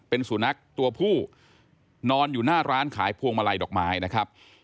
เป็นสุนัขตัวผู้นอนอยู่หน้าร้านขายพวงมาลัยดอกไม้นะครับ